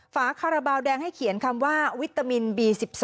ฝาคาราบาลแดงให้เขียนคำว่าวิตามินบี๑๒